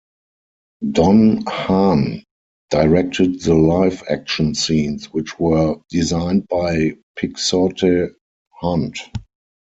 Don Hahn directed the live action scenes which were designed by Pixote Hunt.